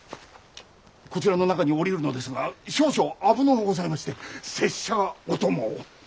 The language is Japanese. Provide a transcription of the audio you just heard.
こちらの中に下りるのですが少々危のうございまして拙者がお供を。